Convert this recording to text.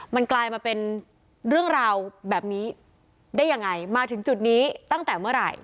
มันกลายมาเป็นเรื่องราวแบบนี้ได้ยังไงมาถึงจุดนี้ตั้งแต่เมื่อไหร่